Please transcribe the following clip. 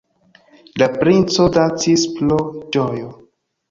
La princo dancis pro ĝojo.